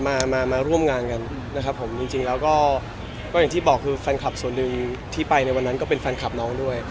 มามาร่วมงานกันนะครับผมจริงจริงแล้วก็อย่างที่บอกคือแฟนคลับส่วนหนึ่งที่ไปในวันนั้นก็เป็นแฟนคลับน้องด้วย